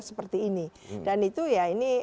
seperti ini dan itu ya ini